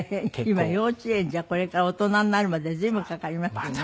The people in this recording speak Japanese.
今幼稚園じゃこれから大人になるまで随分かかりますよね。